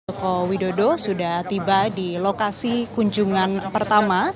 joko widodo sudah tiba di lokasi kunjungan pertama